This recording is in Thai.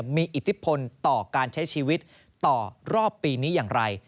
มีอิทธิพลต่อการใช้ชีวิตต่อรอบปีนี้อย่างไร